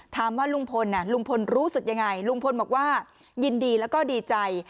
ถามว่าลุงพลลุงพลรู้สึกยังไงลุงพลบอกว่ายินดีแล้วก็ดีใจ